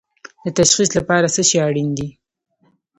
د تشخیص لپاره څه شی اړین دي؟